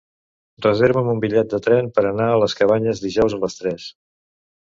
Reserva'm un bitllet de tren per anar a les Cabanyes dijous a les tres.